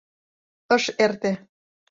Ыш эрте...